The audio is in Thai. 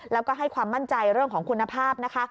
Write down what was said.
แล้วก็ให้ความมั่นใจเรื่องของคุณภาพนะคะ